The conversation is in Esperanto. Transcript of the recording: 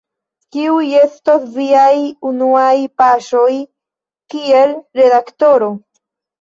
Kiuj estos viaj unuaj paŝoj kiel redaktoro?